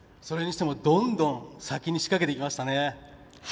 それにしても、どんどん先に仕掛けていきましたね。